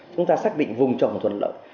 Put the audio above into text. chúng ta xác định vùng trồng thuận lợi